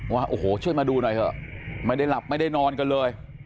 ว่าโอ้โหช่วยมาดูหน่อยเถอะไม่ได้หลับไม่ได้นอนกันเลย